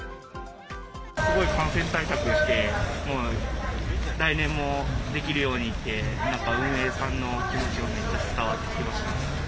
すごい感染対策をして、来年もできるようにって、なんか運営さんの気持ちがめっちゃ伝わってきました。